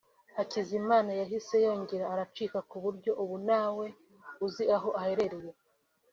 Hakuzimana yahise yongera aracika ku buryo ubu ntawe uzi aho aherereye